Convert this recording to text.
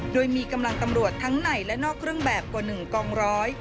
โดยมีกำลังตำรวจทั้งในและนอกเครื่องแบบกว่า๑กองร้อย